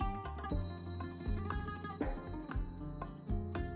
pendakwa dan jamiah pengnozakan